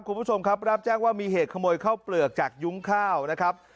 คุณผู้ชมครับรับแจ้งว่ามีเหตุขโมยข้าวเปลือกจากยุ้งข้าวนะครับ